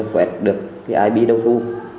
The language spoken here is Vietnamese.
quét được cái ip đầu thu